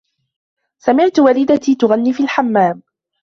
سمعت والدتي تغني في الحمام.